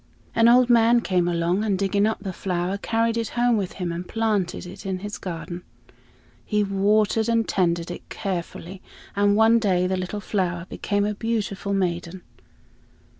An old man came along, and digging up the flower carried it home with him and planted it in his garden. He watered and tended it carefully, and one day the little flower became a beautiful maiden.